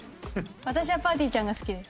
私はぱーてぃーちゃんが好きです。